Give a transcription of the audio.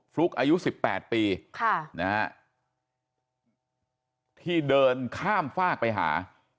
ฟลุ๊กอายุ๑๘ปีที่เดินข้ามฝากไปหา